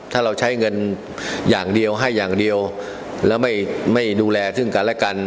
ถ้าเราใช้เงินอย่างเดียวให้อย่างเดียวแล้วไม่ดูแลซึ่งกันและกัน